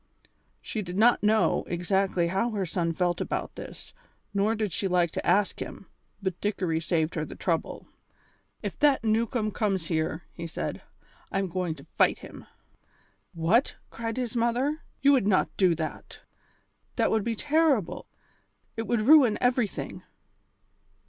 She did not know exactly how her son felt about all this, nor did she like to ask him, but Dickory saved her the trouble. "If that Newcombe comes here," he said, "I am going to fight him." "What!" cried his mother. "You would not do that. That would be terrible; it would ruin everything."